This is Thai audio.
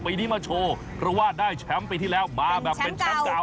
ปีนี้มาโชว์เพราะว่าได้แชมป์ปีที่แล้วมาแบบเป็นแชมป์เก่า